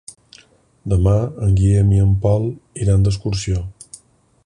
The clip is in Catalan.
Demà en Guillem i en Pol iran d'excursió.